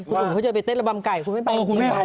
พูดถึงเขาจะไปเต็กระบำไก่คุณไม่ไป